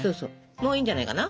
もういいんじゃないかな？